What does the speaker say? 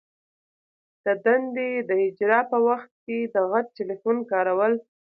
د دندي د اجرا په وخت کي د غټ ټلیفون کارول.